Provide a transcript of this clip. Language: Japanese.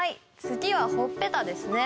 次はほっぺたですね。